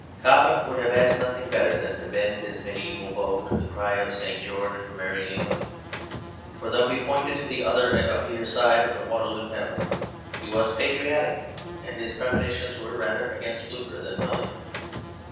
Cobbett would have asked nothing better than to bend his mediaeval bow to the cry of "St. George for Merry England," for though he pointed to the other and uglier side of the Waterloo medal, he was patriotic; and his premonitions were rather against Blucher than Wellington.